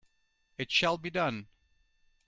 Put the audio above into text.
It shall be done!